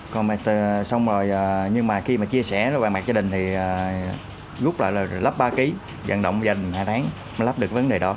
còn xong rồi nhưng mà khi mà chia sẻ với mặt gia đình thì rút lại là lắp ba kg dần động dành hai tháng mới lắp được vấn đề đó